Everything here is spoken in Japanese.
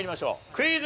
クイズ。